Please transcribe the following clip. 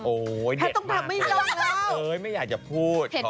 โอ้ยเด็ดมากไม่อยากจะพูด